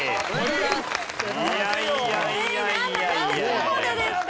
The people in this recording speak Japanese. どこでですか？